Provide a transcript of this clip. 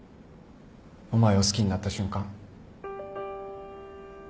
お前を好きになった瞬間。